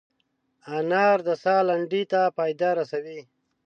انار د ساه لنډۍ ته فایده رسوي.